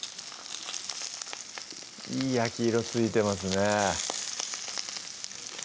いい焼き色ついてますね